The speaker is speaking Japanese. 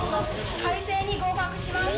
開成に合格します。